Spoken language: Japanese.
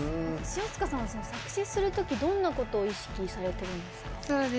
塩塚さんは作詞するときどんなことを意識されてるんですか？